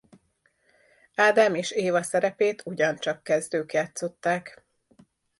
Ádám és Éva szerepét ugyancsak kezdők játszották.